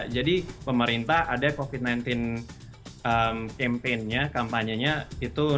jadi pemerintah ada covid sembilan belas campaign nya kampanyenya itu nama apa